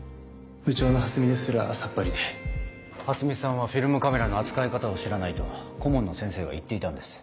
部長の蓮見ですらさっぱりで蓮見さんはフィルムカメラの扱い方を知らないと顧問の先生が言っていたんです。